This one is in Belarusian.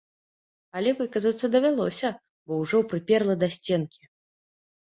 Але выказацца давялося, бо ўжо прыперла да сценкі.